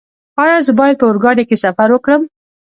ایا زه باید په اورګاډي کې سفر وکړم؟